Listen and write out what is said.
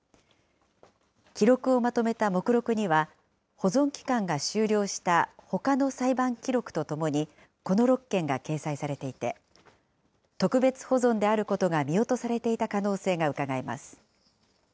記録をまとめた目録には、保存期間が終了したほかの裁判記録とともにこの６件が掲載されていて、特別保存であることが見落とされていた可能性がうかがえます。